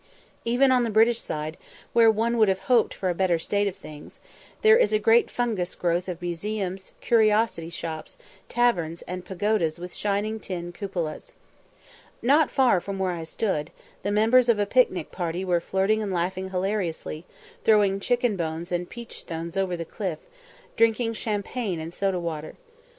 Even on the British side, where one would have hoped for a better state of things, there is a great fungus growth of museums, curiosity shops, taverns, and pagodas with shining tin cupolas. Not far from where I stood, the members of a picnic party were flirting and laughing hilariously, throwing chicken bones and peach stones over the cliff, drinking champagne and soda water.